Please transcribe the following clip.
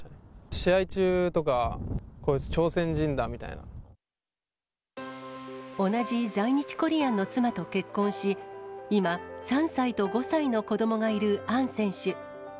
試合中とか、同じ在日コリアンの妻と結婚し、今、３歳と５歳の子どもがいるアン選手。